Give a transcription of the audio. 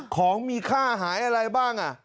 ของมีค่าหายอะไรบ้าง